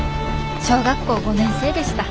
小学校５年生でした。